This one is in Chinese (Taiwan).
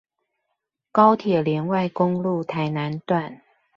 高鐵聯外公路臺南段